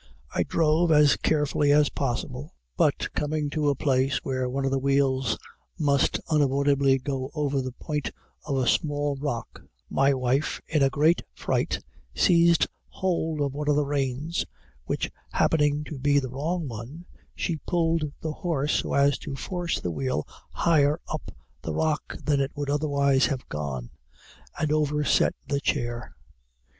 I drove as carefully as possible; but coming to a place where one of the wheels must unavoidably go over the point of a small rock, my wife, in a great fright, seized hold of one of the reins, which happening to be the wrong one, she pulled the horse so as to force the wheel higher up the rock than it would otherwise have gone, and overset the chair.